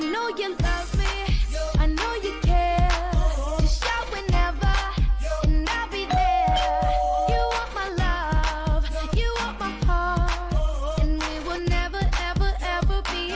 ลองดูไปนะครับ